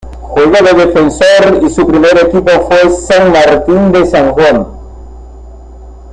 Juega de defensor y su primer equipo fue San Martín de San Juan.